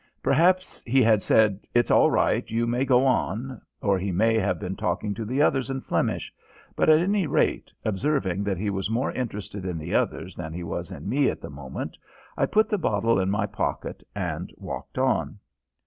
Perhaps he had said, "It's all right, you may go on," or he may have been talking to the others in Flemish, but, at any rate, observing that he was more interested in the others than he was in me at the moment, I put the bottle in my pocket and walked on.